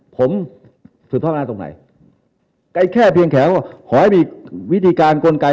ผมศึกภาพอำนาจตรงไหนแค่เพียงแข็งว่าขอให้มีวิธีการกลไกร